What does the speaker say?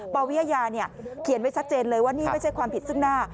ปวิทยาเขียนไว้ชัดเจนเลยว่านี่ไม่ใช่ความผิดซึ่งหน้า